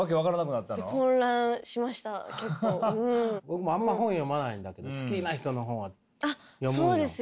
僕もあんま本読まないんだけど好きな人の本は読むんよ。